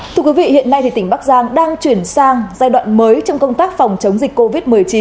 thưa quý vị hiện nay thì tỉnh bắc giang đang chuyển sang giai đoạn mới trong công tác phòng chống dịch covid một mươi chín